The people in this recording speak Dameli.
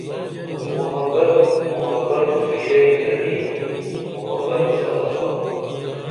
محبت محبت تھوشیئم گنی محبت سا آگا